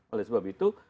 oleh sebab itu